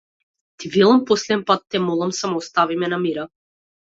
Ти велам последен пат, те молам, само остави ме на мира.